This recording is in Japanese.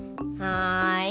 はい。